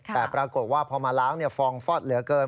แต่ปรากฏว่าพอมาล้างฟองฟอดเหลือเกิน